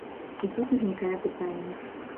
І тут узнікае пытанне.